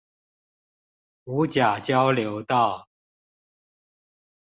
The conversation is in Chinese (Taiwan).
五甲交流道